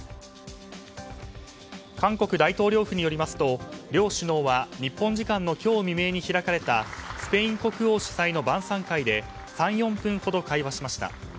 韓国大統領府によりますと両首脳は日本時間の今日未明に開かれたスペイン国王主催の晩餐会で３４分ほど会話しました。